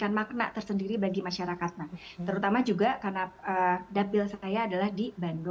dan memberikan makna tersendiri bagi masyarakat terutama juga karena dapil saya adalah di bandung dan juga cimai